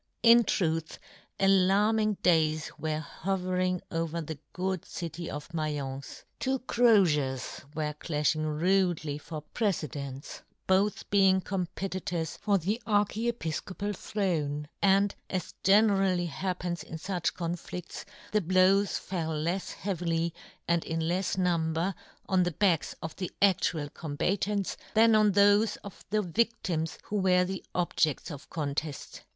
In truth, alarming days were ho vering over the good city of Maience. Two crofiers were clafhing rudely for precedence, both being competi tors for the Archi epifcopal throne ; and, as generally happens in fuch con fliifts, the blows fell lefs heavily, and 12 "John Gutenberg. in lefs number, on the backs of the aftual combatants than on thofe of the vidtims who were the objedts of conteft.